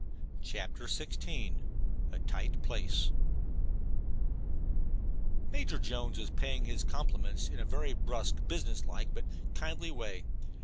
CHAPTER XVI A TIGHT PLACE Major Jones was paying his compliments in a very brusque, business like, but kindly way.